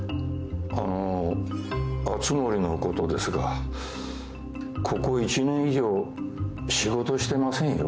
あの熱護のことですがここ１年以上仕事してませんよ？